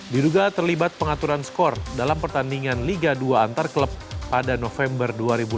diduga terlibat pengaturan skor dalam pertandingan liga dua antar klub pada november dua ribu dua puluh